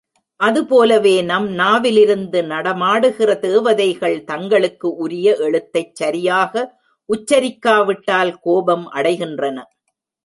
அதுபோலவே நம் நாவிலிருந்து நடமாடுகிற தேவதைகள் தங்களுக்கு உரிய எழுத்தைச் சரியாக உச்சரிக்காவிட்டால் கோபம் அடைகின்றன.